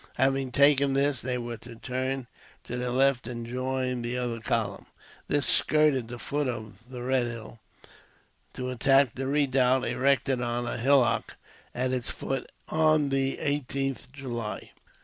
Having taken this, they were to turn to their left and join the other column. This skirted the foot of the Red Hill, to attack the redoubt erected on a hillock at its foot, on the 18th July.